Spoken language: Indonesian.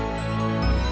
jika kau mau badan empuk